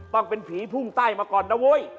ต้องเป็นผีพุ่งใต้มาก่อนนะเว้ย